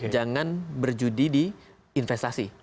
jangan berjudi di investasi